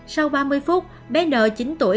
sau ba mươi phút bé n chín tuổi